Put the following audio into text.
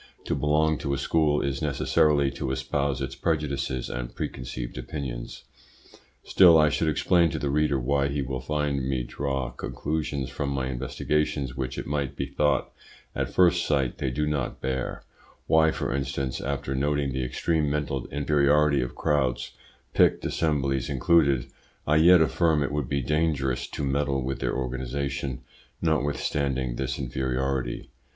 To belong to a school is necessarily to espouse its prejudices and preconceived opinions. Still I should explain to the reader why he will find me draw conclusions from my investigations which it might be thought at first sight they do not bear; why, for instance, after noting the extreme mental inferiority of crowds, picked assemblies included, I yet affirm it would be dangerous to meddle with their organisation, notwithstanding this inferiority.